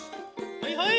はいはい。